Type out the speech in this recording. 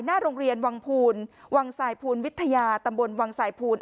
หน้าโรงเรียนวังภูนย์วังศัยภูนย์วิธยาตำบลวังศัยภูนย์